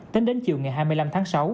tính đến chiều ngày hai mươi năm tháng sáu